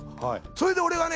それで俺がね